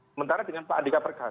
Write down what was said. sementara dengan pak andika perkasa